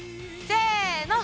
せの！